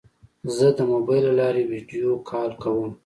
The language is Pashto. زه د موبایل له لارې ویدیو کال کوم.